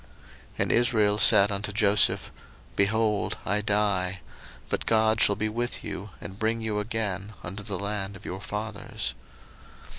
01:048:021 And Israel said unto Joseph, Behold, I die: but God shall be with you, and bring you again unto the land of your fathers.